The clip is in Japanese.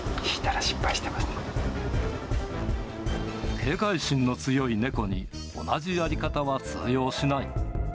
警戒心の強い猫に、同じやり方は通用しない。